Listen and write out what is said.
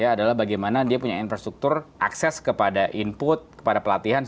adalah bagaimana dia punya infrastruktur akses kepada input kepada pelatihan